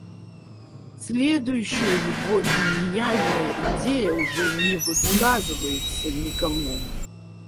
Следующая его гениальная идея уже не высказывается никому.